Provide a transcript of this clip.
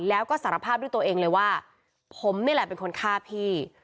แล้วก็สารภาพด้วยตัวเองเลยว่าผมนี่แหละเป็นคนฆ่าพี่